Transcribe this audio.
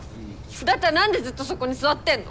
だったら何でずっとそこに座ってんの。